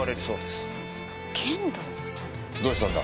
どうしたんだ？